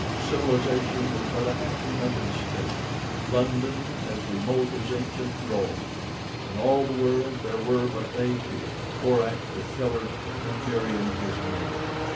Civilization was but a half remembered state—London as remote as ancient Rome. In all the world there were but they two—Korak, The Killer, and Meriem, his mate.